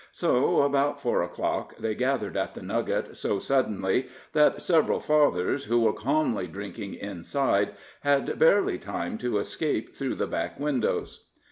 So about four o'clock they gathered at The Nugget so suddenly, that several fathers; who were calmly drinking inside, had barely time to escape through the back windows.